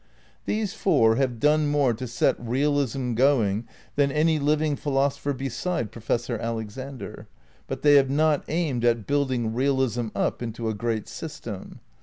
These four have done more to set realism going than any living philos opher beside Professor Alexander; but they have not aimed at building realism up into a great system.